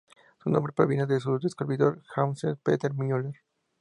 Su nombre proviene d su descubridor Johannes Peter Muller.